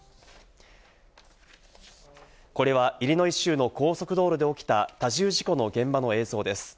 これはイリノイ州の高速道路で起きた多重事故の現場の映像です。